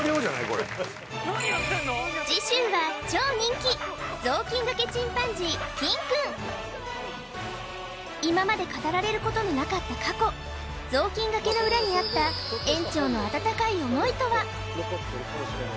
これ次週は超人気今まで語られることのなかった過去雑巾がけの裏にあった園長の温かい思いとは？